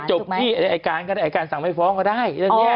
อาจจะจบที่ไอ้การก็ได้ไอ้การสังไมฟ้องก็ได้